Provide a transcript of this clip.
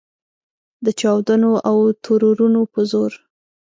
د چاودنو او ترورونو په زور.